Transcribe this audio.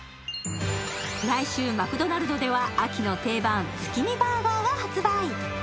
来週、マクドナルドでは秋の定番月見バーガーが発売。